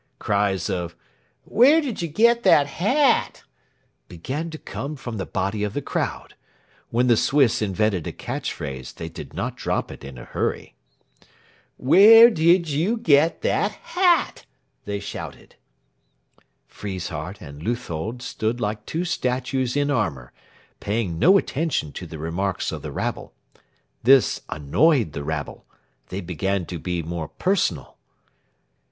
Cries of "Where did you get that hat?" began to come from the body of the crowd. When the Swiss invented a catch phrase they did not drop it in a hurry. "Where did you get that HAT?" they shouted. Friesshardt and Leuthold stood like two statues in armour, paying no attention to the remarks of the rabble. This annoyed the rabble. They began to be more personal.